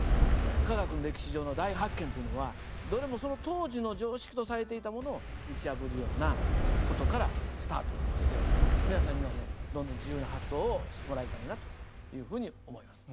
科学の歴史上の大発見というのはどれもその当時の常識とされていたものを打ち破るような事からスタートしてる訳で皆さんにはねどんどん自由な発想をしてもらいたいなというふうに思います。